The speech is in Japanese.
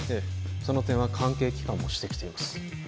その点は関係機関も指摘しています